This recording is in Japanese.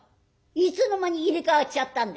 いつの間に入れ代わっちゃったんです？」。